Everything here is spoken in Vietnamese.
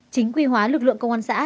chính quy hóa lực lượng công an xã